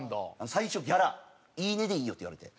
最初ギャラ「言い値でいいよ」って言われて。